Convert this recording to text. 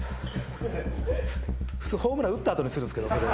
普通ホームラン打った後にするんですけどそれ。